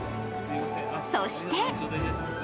そして。